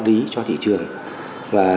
lý cho thị trường và